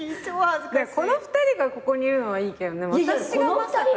この２人がここにいるのはいいけど私がまさか。